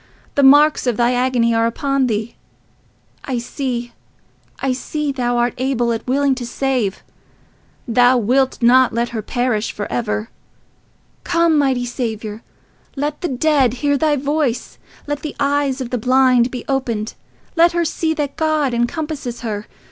The marks of thy agony are upon thee—I see, I see thou art able and willing to save—thou wilt not let her perish for ever. Come, mighty Saviour! Let the dead hear thy voice. Let the eyes of the blind be opened. Let her see that God encompasses her.